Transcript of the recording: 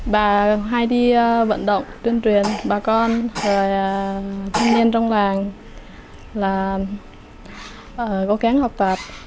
bà hay đi vận động tuyên truyền bà con rồi chinh niên trong làng là cố gắng học tập